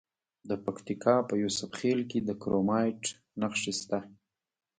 د پکتیکا په یوسف خیل کې د کرومایټ نښې شته.